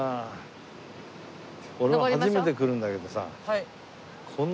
俺は初めて来るんだけどさあ